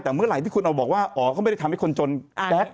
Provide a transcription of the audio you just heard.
แต่เมื่อไหร่ที่คุณเอาบอกว่าอ๋อเขาไม่ได้ทำให้คนจนแก๊ก